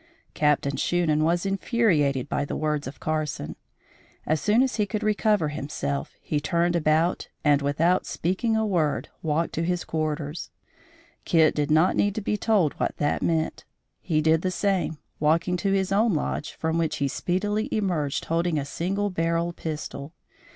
Captain Shunan was infuriated by the words of Carson. As soon as he could recover himself, he turned about and without speaking a word, walked to his quarters. Kit did not need be told what that meant. He did the same, walking to his own lodge, from which he speedily emerged holding a single barrel pistol.